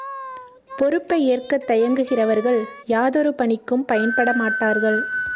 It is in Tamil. பொறுப்பை ஏற்கத் தயங்குகிறவர்கள் யாதொரு பணிக்கும் பயன்படமாட்டார்கள்.